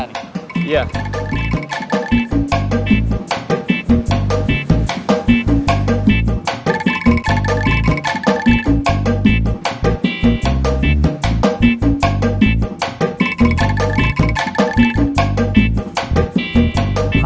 ini angkot keberuntungan kita